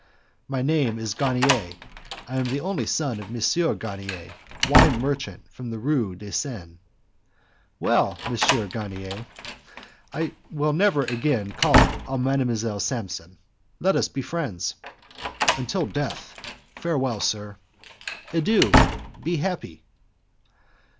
"My name is Garnier, I am the only son of M. Garnier, wine merchant in the Rue de Seine." "Well, M. Garnier, I will never again call on Mdlle. Samson. Let us be friends." "Until death. Farewell, sir." "Adieu, be happy!"